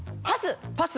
パス。